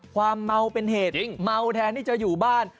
ความเมาเป็นเหตุเมาแทนที่จะอยู่บ้าน